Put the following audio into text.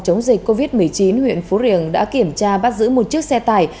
chống dịch covid một mươi chín huyện phú riềng đã kiểm tra bắt giữ một chiếc xe tải